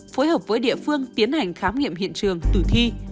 phối hợp với địa phương tiến hành khám nghiệm hiện trường tử thi